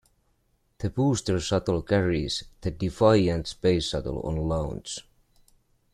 The booster shuttle carries the "Defiant" space shuttle on launch.